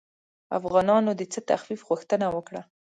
افغانانو د څه تخفیف غوښتنه وکړه.